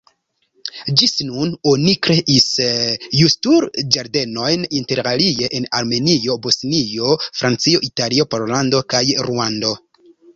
Ĝis nun oni kreis Justul-Ĝardenojn interalie en Armenio, Bosnio, Francio, Italio, Pollando kaj Ruando.